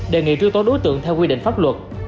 đề nghị truy tố đối tượng theo quy định pháp luật